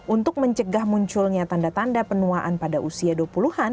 untuk mencegah munculnya tanda tanda penuaan pada usia dua puluh an